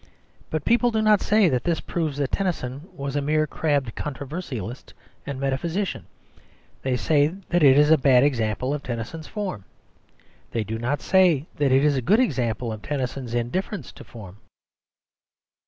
But people do not say that this proves that Tennyson was a mere crabbed controversialist and metaphysician. They say that it is a bad example of Tennyson's form; they do not say that it is a good example of Tennyson's indifference to form.